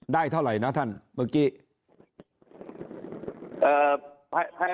ได้เท่าไหร่นะท่านเมื่อกี้